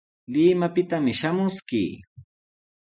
Limapitami shamuskii.